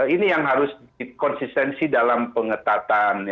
ini yang harus dikonsistensi dalam pengetatan